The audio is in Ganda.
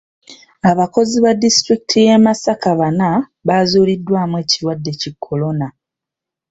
Abakozi ba disitulikiti y'e Masaka bana bazuuliddwamu ekirwadde ki Kolona.